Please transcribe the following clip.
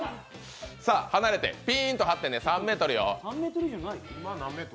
離れて、ピンと張ってね、３ｍよ。